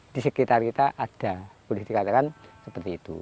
di sekitar kita ada boleh dikatakan seperti itu